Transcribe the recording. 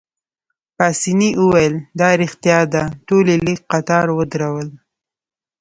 پاسیني وویل: دا ريښتیا ده، ټول يې لیک قطار ودرول.